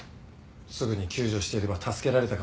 すぐに救助していれば助けられたかもしれない。